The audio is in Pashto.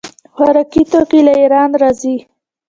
خوراکي توکي له ایران راځي.